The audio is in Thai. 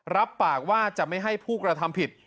รับปากว่าจะไม่ให้ผู้กระทำผิด